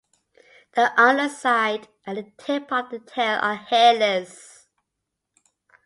The underside and the tip of the tail are hairless.